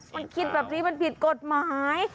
มันคิดแบบนี้มันผิดกฎหมาย